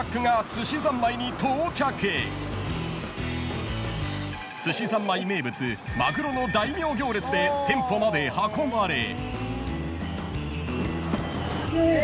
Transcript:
［すしざんまい名物マグロの大名行列で店舗まで運ばれ］